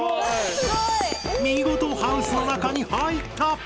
すごい！見事ハウスの中に入った！